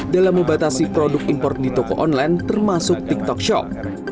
dalam membatasi produk import di toko online termasuk tiktok shop